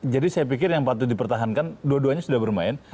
jadi saya pikir yang patut dipertahankan dua duanya sudah bermain